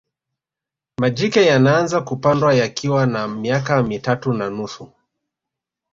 majike yanaanza kupandwa yakiwa na miaka mitatu na nusu